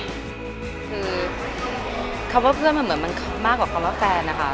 คือคำว่าเพื่อนมันเหมือนมันมากกว่าคำว่าแฟนนะคะ